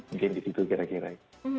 mungkin di situ kira kira